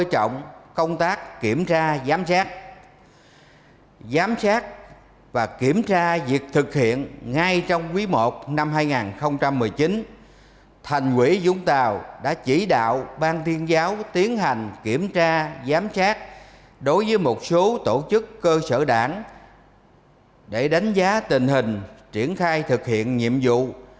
trong năm quý i năm hai nghìn một mươi chín thành quỷ vũng tàu đã chỉ đạo bang tiên giáo tiến hành kiểm tra giám sát đối với một số tổ chức cơ sở đảng để đánh giá tình hình triển khai thực hiện nhiệm vụ